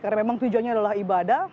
karena memang tujuannya adalah ibadah